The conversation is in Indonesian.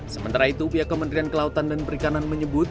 sementara itu pihak kementerian kelautan dan perikanan menyebut